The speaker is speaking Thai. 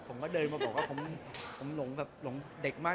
ผมก็เดินมาบอกว่าผมหลงเด็กมาก